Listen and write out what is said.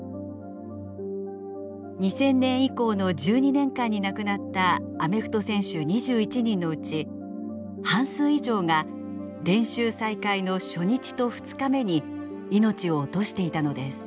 ２０００年以降の１２年間に亡くなったアメフト選手２１人のうち半数以上が練習再開の初日と２日目にいのちを落としていたのです。